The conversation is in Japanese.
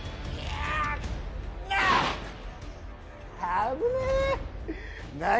危ねえー！